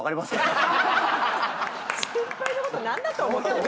先輩のこと何だと思ってるの⁉